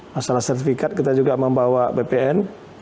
masalah sertifikat kita juga membawa bpn